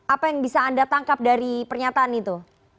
apa yang bisa anda tangkap dari pernyataan itu